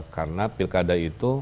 karena pilkada itu